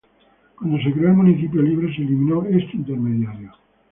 Cuando se creó el municipio libre, se eliminó este intermediario.